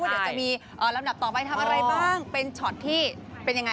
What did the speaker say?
เดี๋ยวจะมีลำดับต่อไปทำอะไรบ้างเป็นช็อตที่เป็นยังไง